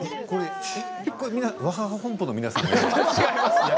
ワハハ本舗の皆さんですか？